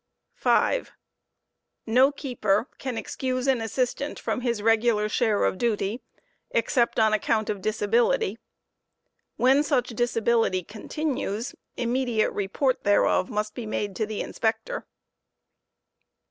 5, Fo keeper can excuse an assistant from his regular share of duty 7 except 'on ffi :* £^fjft account of disability, Wlien such disability continues, immediate report ^hereof must ^ except for be made to the Inspector.